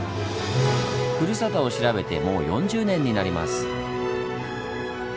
ふるさとを調べてもう４０年になります。